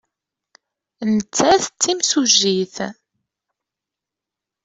Nettat d timsujjit.